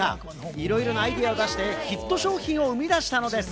いろいろなアイデアを出してヒット商品を生み出したのです。